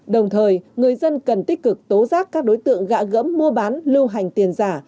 đồng thời người dân cần tích cực tố giác các đối tượng gạ gẫm mua bán lưu hành tiền giả